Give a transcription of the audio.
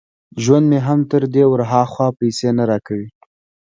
ژوند مې هم تر دې ور هاخوا پيسې نه را کوي.